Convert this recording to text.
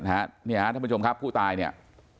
ท่านผู้ชมครับผู้ตายเนี่ย